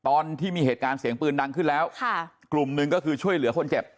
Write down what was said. ตอนที่มีเหตุการณ์เสียงปืนดังขึ้นแล้วค่ะกลุ่มหนึ่งก็คือช่วยเหลือคนเจ็บ